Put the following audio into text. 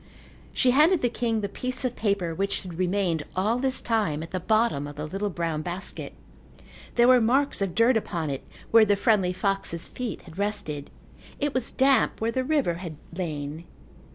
She handed the king the piece of paper which had remained all this time at the bottom of the little brown basket. There were marks of dirt upon it where the friendly fox's feet had rested. It was damp where the river had lain.